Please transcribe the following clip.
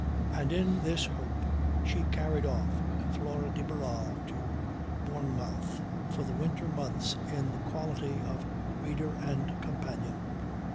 And in this hope she carried off Flora de Barral to Bournemouth for the winter months in the quality of reader and companion.